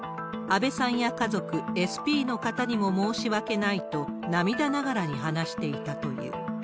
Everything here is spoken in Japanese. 安倍さんや家族、ＳＰの方にも申し訳ないと、涙ながらに話していたという。